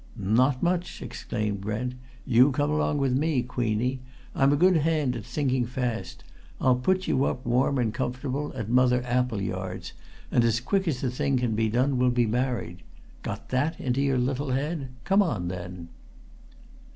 "Not much!" exclaimed Brent. "You come along with me, Queenie. I'm a good hand at thinking fast. I'll put you up, warm and comfortable, at Mother Appleyard's; and as quick as the thing can be done we'll be married. Got that into your little head? Come on, then!"